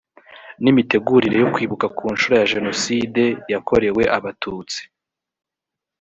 n imitegurire yo kwibuka ku nshuro ya jenoside yakorewe abatutsi